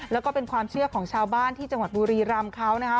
แล้วก็เป็นความเชื่อของชาวบ้านที่จังหวัดบุรีรำเขานะคะ